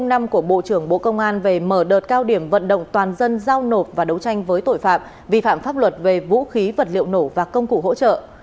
một năm của bộ trưởng bộ công an về mở đợt cao điểm vận động toàn dân giao nộp và đấu tranh với tội phạm vi phạm pháp luật về vũ khí vật liệu nổ và công cụ hỗ trợ